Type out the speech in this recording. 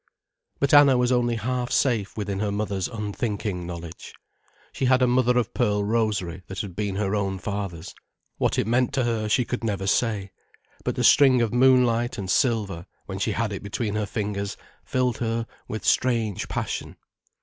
But Anna was only half safe within her mother's unthinking knowledge. She had a mother of pearl rosary that had been her own father's. What it meant to her she could never say. But the string of moonlight and silver, when she had it between her fingers, filled her with strange passion.